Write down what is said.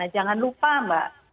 jangan lupa mbak